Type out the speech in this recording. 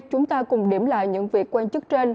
chúng ta cùng điểm lại những việc quan chức trên